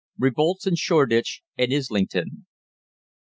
REVOLTS IN SHOREDITCH AND ISLINGTON.